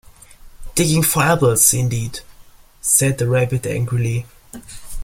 ‘Digging for apples, indeed!’ said the Rabbit angrily.